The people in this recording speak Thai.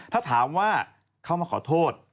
ถ้าถามว่าเข้ามาขอโทษ